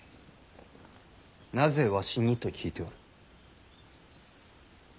なぜわしにと聞いておる。